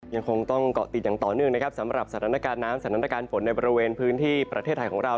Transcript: ยังคงต้องเกาะติดอย่างต่อเนื่องนะครับสำหรับสถานการณ์น้ำสถานการณ์ฝนในบริเวณพื้นที่ประเทศไทยของเรา